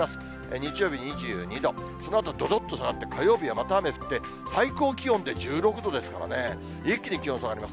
日曜日２２度、そのあとはどどっと下がって火曜日はまた雨降って、最高気温で１６度ですからね、一気に気温下がります。